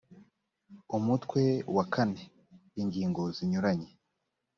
umutwe wa iv ingingo zinyuranye